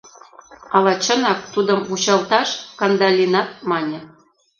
— Ала, чынак, тудым вучалташ, — Кандалинат мане.